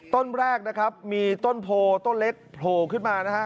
ต้นแรกนะครับมีต้นโพต้นเล็กโผล่ขึ้นมานะฮะ